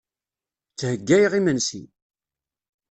Ttheggayeɣ imensi.